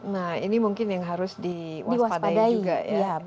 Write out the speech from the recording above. nah ini mungkin yang harus diwaspadai juga ya